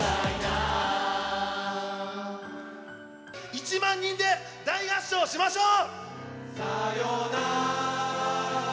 １万人で大合唱しましょう！